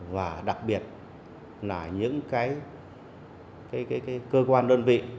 và đặc biệt là những cái cơ quan đơn vị